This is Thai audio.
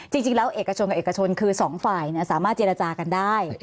จริงแล้วเอกชนกับเอกชนคือสองฝ่ายสามารถเจรจากันได้